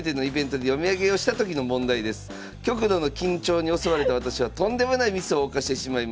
「極度の緊張に襲われた私はとんでもないミスを犯してしまいました。